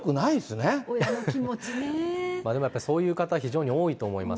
でもやっぱりそういう方、非常に多いと思います。